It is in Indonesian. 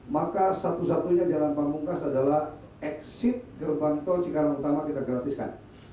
maka satu satunya jalan pamungkas adalah exit gerbang tol cikarang utama kita gratiskan